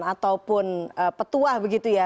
ataupun petuah begitu ya